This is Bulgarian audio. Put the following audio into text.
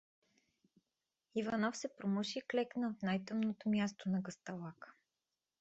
Иванов се примуши и клекна в най-тъмното място на гъсталака.